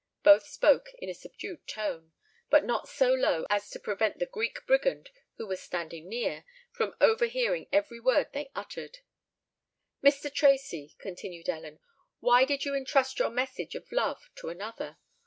Both spoke in a subdued tone—but not so low as to prevent the Greek Brigand, who was standing near, from overhearing every word they uttered. "Mr. Tracy," continued Ellen, "why did you entrust your message of love to another?